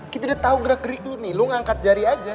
kita udah tau gerak gerik lu nih lu ngangkat jari aja